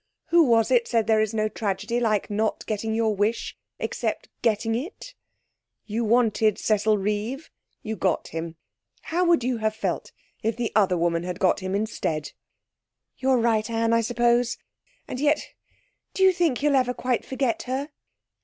Who was it said there is no tragedy like not getting your wish except getting it? You wanted Cecil Reeve. You've got him. How would you have felt if the other woman had got him instead?' 'You're right, Anne I suppose. And yet do you think he'll ever quite forget her?'